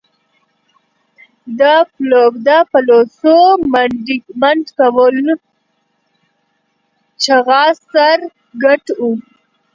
د پلوڅو، منډکول چغه سر، ګټ و